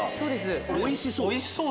おいしそう！